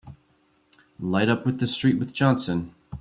Light up with the street with Johnson!